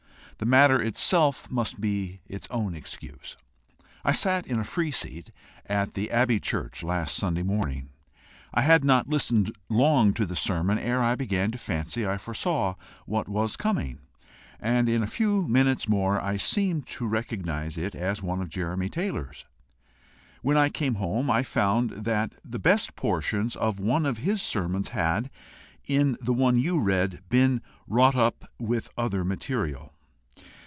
The matter itself must be its own excuse. "I sat in a free seat at the Abbey church last Sunday morning. I had not listened long to the sermon ere I began to fancy I foresaw what was coming, and in a few minutes more I seemed to recognise it as one of Jeremy Taylor's. When I came home, I found that the best portions of one of his sermons had, in the one you read, been wrought up with other material.